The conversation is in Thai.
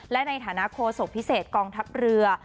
และในฐานะโคศกพิเศษกองทัพเรือ